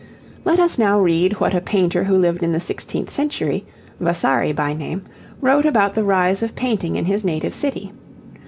Let us now read what a painter who lived in the sixteenth century, Vasari by name, wrote about the rise of painting in his native city.